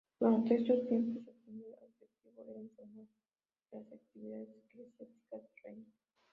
Durante este tiempo su principal objetivo era informar de las actividades eclesiásticas del reino.